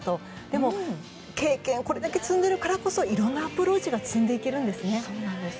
でも経験をこれだけ積んでるからこそいろんなアプローチが積んでいけるんですね。